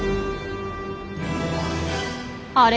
あれ？